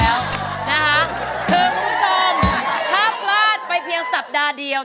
คือคุณผู้ชมถ้าพลาดไปเพียงสัปดาห์เดียว